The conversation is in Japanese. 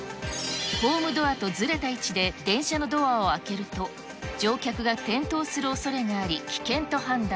ホームドアとずれた位置で電車のドアを開けると、乗客が転倒するおそれがあり、危険と判断。